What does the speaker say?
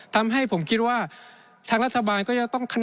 ทำให้ผมคิดว่าทางรัฐบาลก็จะต้อง